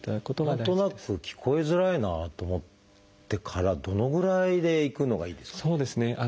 何となく聞こえづらいなと思ってからどのぐらいで行くのがいいですかね。